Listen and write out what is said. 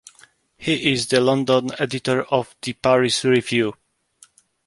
He is the London editor of "The Paris Review".